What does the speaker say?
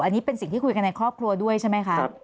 อันนี้เป็นสิ่งที่คุยกันในครอบครัวด้วยใช่ไหมคะ